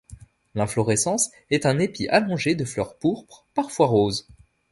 L'inflorescence est un épi allongé de fleurs pourpres, parfois roses.